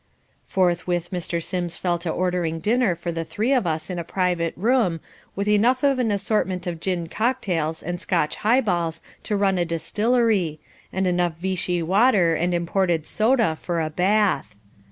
Forthwith Mr. Sims fell to ordering dinner for the three of us in a private room, with enough of an assortment of gin cocktails and Scotch highballs to run a distillery, and enough Vichy water and imported soda for a bath.